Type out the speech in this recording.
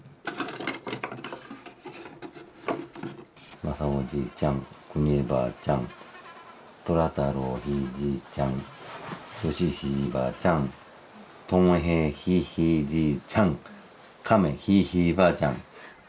まさおじいちゃんくにえばあちゃんとらたろうひいじいちゃんよしひいばあちゃんともへいひいひいじいちゃんかめひいひいばあちゃん。